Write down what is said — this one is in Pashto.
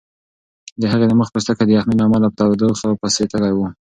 د هغې د مخ پوستکی د یخنۍ له امله په تودوخه پسې تږی و.